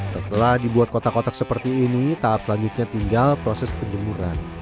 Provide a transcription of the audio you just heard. setelah dibuat kotak kotak seperti ini tahap selanjutnya tinggal proses penjemuran